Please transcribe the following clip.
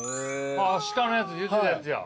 鹿のやつ言ってたやつや。